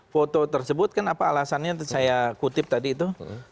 foto tersebut kan apa alasannya saya kutip tadi itu